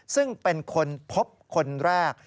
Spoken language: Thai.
ซึ่งเป็นคนพบคนแรก